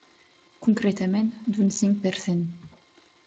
Concretament, d’un cinc per cent.